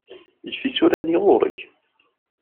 Ejj tisura-nni ɣur-k.